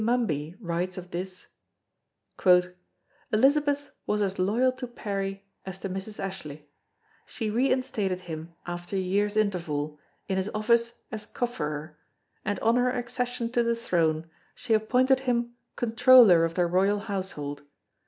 Mumby writes of this: "Elizabeth was as loyal to Parry as to Mrs. Ashley; she reinstated him after a year's interval, in his office as Cofferer, and on her accession to the throne she appointed him Controller of the royal household.